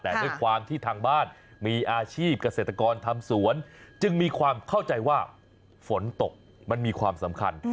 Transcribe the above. แต่ด้วยความที่ทางบ้านมีอาชีพเกษตรกรทำสวนจึงมีความเข้าใจว่าฝนตกมันมีความสำคัญ